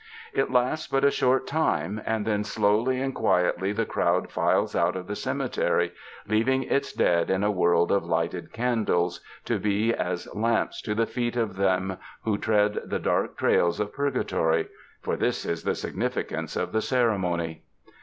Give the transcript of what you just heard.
It lasts but a short time, and then slowly and quietly the crowd files out of the cemetery, leaving its dead in a world of lighted candles, to be as lamps to the feet of them who tread the dark trails of purgatory — for this is the significance of the ceremony.